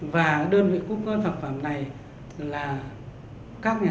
và đơn vị cung cấp thực phẩm này là